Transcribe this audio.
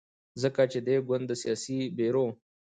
ځکه چې دې ګوند د سیاسي بیرو